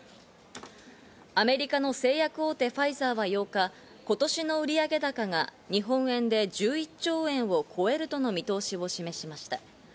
アメリカの製薬大手・ファイザーは８日、今年の売上高が日本円で１１兆円を超えるとの見通しを示しました。